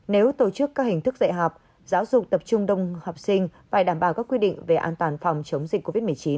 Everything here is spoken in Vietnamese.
nếu tổ chức các hình thức dạy học giáo dục tập trung đông học sinh phải đảm bảo các quy định về an toàn phòng chống dịch covid một mươi chín